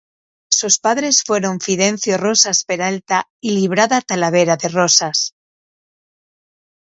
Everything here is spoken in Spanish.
Sus padres fueron Fidencio Rosas Peralta y Librada Talavera de Rosas.